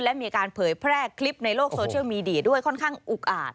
และมีการเผยแพร่คลิปในโลกโซเชียลมีเดียด้วยค่อนข้างอุกอาจ